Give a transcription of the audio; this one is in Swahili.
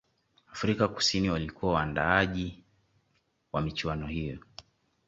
afrika kusini walikuwa waandaaji wa michuano hiyo